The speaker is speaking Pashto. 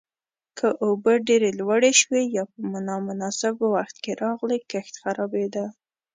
که اوبه ډېره لوړې شوې یا په نامناسب وخت کې راغلې، کښت خرابېده.